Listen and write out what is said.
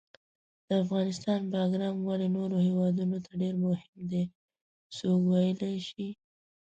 د افغانستان باګرام ولې نورو هیوادونو ته ډېر مهم ده، څوک ویلای شي؟